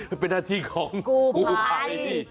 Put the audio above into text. เฮ้ยเป็นหน้าที่ของกู้ภัย